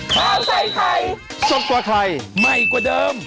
ข้าวใส่ไทยสดกว่าไทยใหม่กว่าเดิม